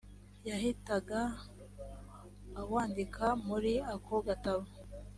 yahitaga awandika muri ako gatabo